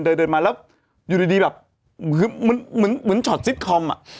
เดินมาแล้วอยู่ด้วยดีแบบเหมือนช็อตซิฟต์คอม